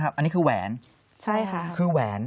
อันนี้คือแหวน